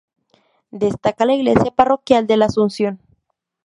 Destaca la iglesia parroquial de la Asunción.